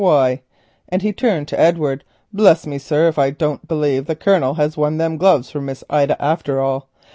Why," and he turned to Edward, "bless me, sir, if I don't believe the Colonel has won them gloves for Miss Ida after all.